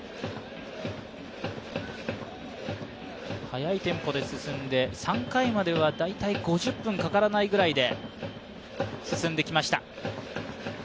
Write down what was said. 速いテンポで進んで、３回までは５０分かからないくらいで進んできました。